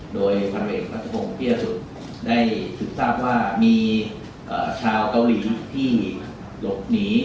โดยพันธุ์เอกพัฒนธงพี่ละสุดได้สึกทราบว่ามีชาวเกาหลีที่หลบหนี